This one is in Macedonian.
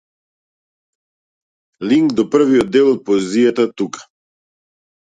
Линк до првиот дел од поезијата тука.